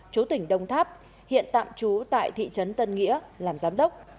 chú tỉnh đông tháp hiện tạm trú tại thị trấn tân nghĩa làm giám đốc